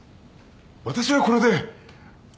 私はこれで。